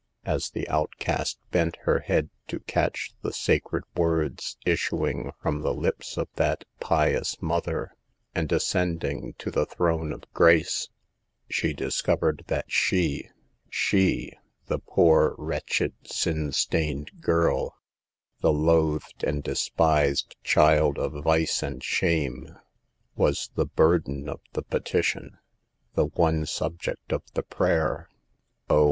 As the outcast bent her head to catch the sacred words issuing from the lips of that pious mother and ascending to the throne of grace, she discovered that she — she, the poor, wretched, sin stained girl, the loathed and despised child of vice and shame — was the burden of the petition, the one subject A LOST WOMAN SAVED. 117 of the prayer. Oh